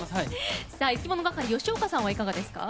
いきものがかり吉岡さんはいかがですか？